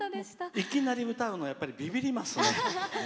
いきなり歌うのはやっぱり、びびりますね。